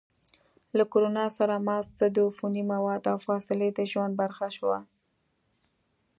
له کرونا سره ماسک، ضد عفوني مواد، او فاصلې د ژوند برخه شوه.